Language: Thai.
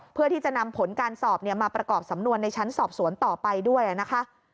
เพื่อที่จะนำผลการสอบมาประกอบสำนวนในชั้นสอบสวนต่อไปด้วยนะคะ